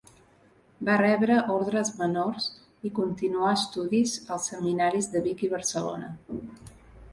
Va rebre ordes menors i continuà estudis als seminaris de Vic i Barcelona.